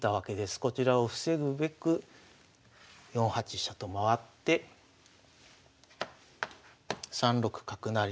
こちらを防ぐべく４八飛車と回って３六角成。